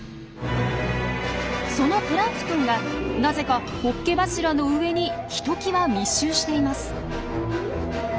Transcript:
そのプランクトンがなぜかホッケ柱の上にひときわ密集しています。